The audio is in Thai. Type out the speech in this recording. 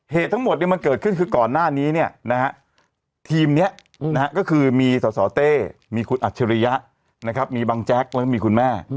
เหตุทั้งหมดมันเกิดขึ้นคือก่อนหน้านี้ทีมนี้ก็คือมีสสเต้มีคุณอัจฉริยะมีบังแจ๊กแล้วก็มีคุณแม่